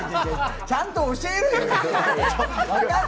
ちゃんと教えろよ！